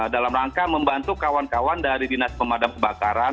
dalam rangka membantu kawan kawan dari dinas pemadam kebakaran